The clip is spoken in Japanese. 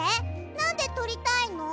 なんでとりたいの？